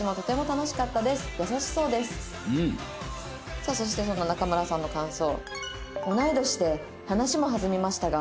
さあそしてそんな中村さんの感想。